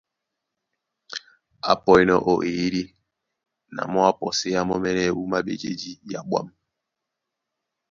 Á pɔínɔ̄ ó eyídí, na mɔ́ á pɔséá mɔ́mɛ́nɛ́ wúma á ɓejedí yá ɓwâm,